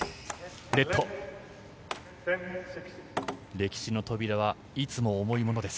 歴史の扉はいつも重いものです。